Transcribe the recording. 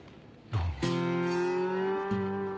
どうも。